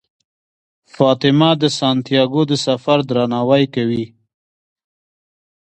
فاطمه د سانتیاګو د سفر درناوی کوي.